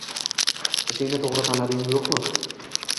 ishingni toʻgʻri tanladingmi-yoʻqmi